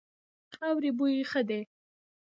خاورې بوی ښه دی.